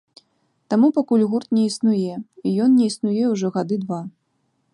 Таму пакуль гурт не існуе, і ён не існуе ўжо гады два.